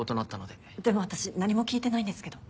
でも私何も聞いてないんですけど。